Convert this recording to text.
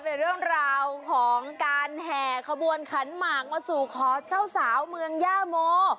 เป็นเรื่องราวของการแห่ขบวนขันหมากมาสู่ขอเจ้าสาวเมืองย่าโม